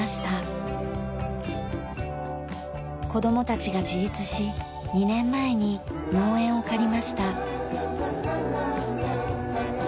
子どもたちが自立し２年前に農園を借りました。